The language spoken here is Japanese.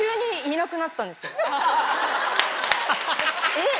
えっ！